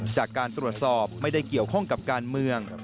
จากการตรวจสอบไม่ได้เกี่ยวข้องกับการเมือง